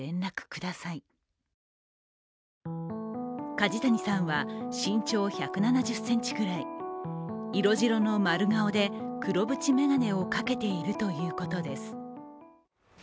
梶谷さんは身長１７０ｃｍくらい、色白の丸顔で、黒縁眼鏡をかけているということです。